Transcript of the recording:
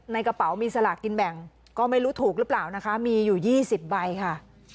ในกระเป๋ามีสลากกินแบ่งก็ไม่รู้ถูกหรือเปล่านะคะมีอยู่๒๐ใบค่ะ